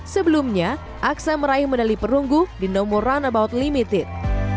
sebelumnya aksa meraih medali perunggu di nomor runabout limited